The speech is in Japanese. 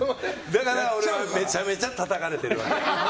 だから、俺はめちゃくちゃたたかれてるわけ。